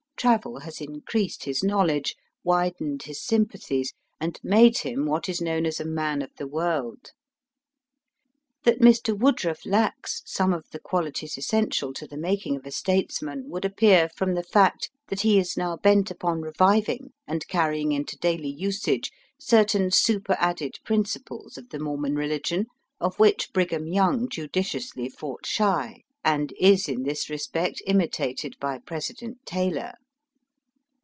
Travel has increased his knowledge, widened his sympathies, and made him what is known as a man of the world. That Mr. Woodruff lacks some of the qualities essential to the making of a state man would appear from the fact that he is now bent upon reviving and carrying into daily usage certain superadded principles of the Mormon religion of which Brigham Young judiciously fought shy, and is in this respect imitated by President Taylor.